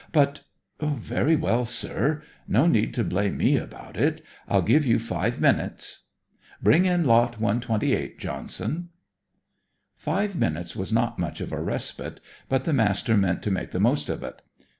But Very well, sir; no need to blame me about it. I'll give you five minutes. Bring in lot 128, Johnson." Five minutes was not much of a respite, but the Master meant to make the most of it.